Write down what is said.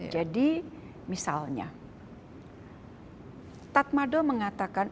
jadi misalnya tatmada mengatakan